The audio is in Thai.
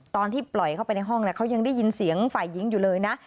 ตอนที่ปล่อยเข้าไปในห้องเขายังได้ยินเสียงฝ่ายหญิงอยู่เลยนะ